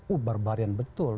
oh barbarian betul